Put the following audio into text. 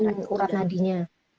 itu urap nadinya